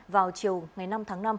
vào chiều ngày năm tháng năm